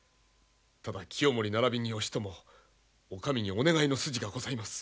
ただ清盛ならびに義朝お上にお願いの筋がございます。